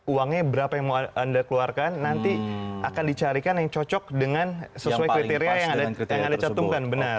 uangnya berapa yang mau anda keluarkan nanti akan dicarikan yang cocok dengan sesuai kriteria yang anda catumkan benar